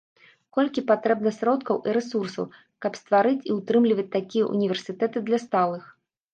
Колькі патрэбна сродкаў і рэсурсаў, каб стварыць і ўтрымліваць такія ўніверсітэты для сталых?